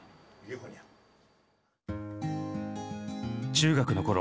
中学のころ